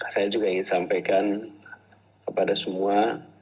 saya juga ingin sampaikan kepada semua